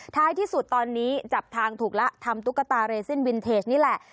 ท้ายที่สุดตอนนี้จับทางถูกแล้วทำตุ๊กตาเรซินวินเทจนี่แหละ